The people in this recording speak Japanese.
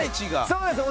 そうです！